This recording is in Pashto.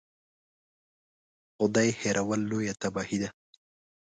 خدای هېرول لویه تباهي ده.